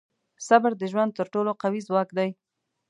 • صبر د ژوند تر ټولو قوي ځواک دی.